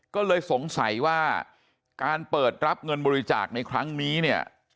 ก็เลยสงสัยว่าการเปิดรับเงินบริจาคในครั้งนี้เนี่ย